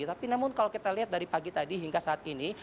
tapi namun kalau kita lihat dari pagi tadi hingga saat ini